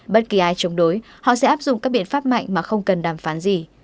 bất kỳ ai chống đối họ sẽ áp dụng các biện pháp mạnh mà không cần đàm phán gì